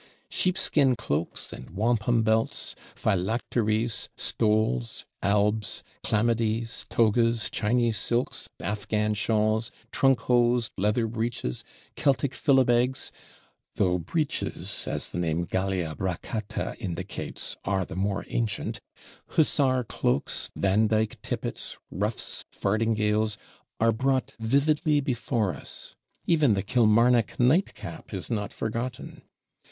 Sheepskin cloaks and wampum belts; phylacteries, stoles, albs; chlamydes, togas, Chinese silks, Afghan shawls, trunk hose, leather breeches, Celtic philibegs (though breeches, as the name Gallia Braccata indicates, are the more ancient), Hussar cloaks, Vandyke tippets, ruffs, fardingales, are brought vividly before us, even the Kilmarnock nightcap is not forgotten.